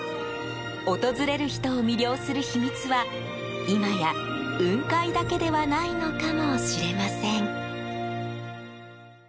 訪れる人を魅了する秘密は今や、雲海だけではないのかもしれません。